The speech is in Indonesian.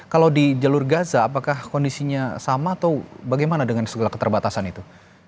kalau di jalur gaza apakah kondisinya sama atau bagaimana dengan segala keterbatasan itu